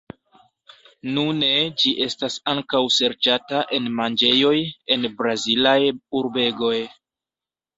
Nune ĝi estas ankaŭ serĉata en manĝejoj en Brazilaj urbegoj.